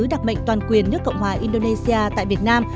và phát triển của quốc gia việt nam